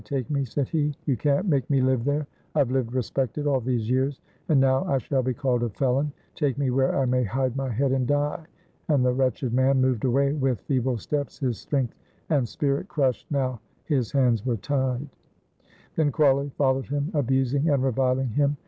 take me," said he, "you can't make me live there. I've lived respected all these years, and now I shall be called a felon. Take me where I may hide my head and die!" and the wretched man moved away with feeble steps, his strength and spirit crushed now his hands were tied. Then Crawley followed him, abusing and reviling him.